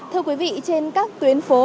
thưa quý vị trên các tuyến phố